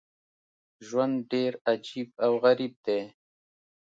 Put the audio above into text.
ژوند ډېر عجیب او غریب دی.